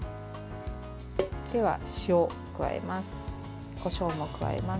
では、塩を加えます。